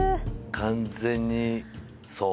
完全にそうね。